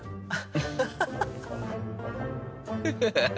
ハハハハッ。